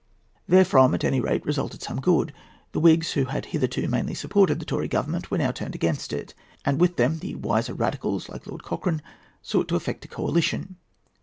Therefrom resulted, at any rate, some good. The Whigs, who had hitherto mainly supported the Tory Government, were now turned against it, and with them the wiser Radicals, like Lord Cochrane, sought to effect a coalition.